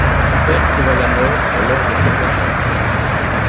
Son père trouva la mort lors de cette bataille.